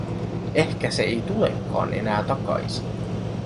Ehkä se ei tulekaan enää takaisin.